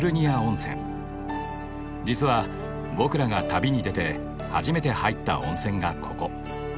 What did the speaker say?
実は僕らが旅に出て初めて入った温泉がここ。